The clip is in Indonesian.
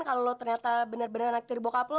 kalau lo ternyata bener bener anak tiri bokap lo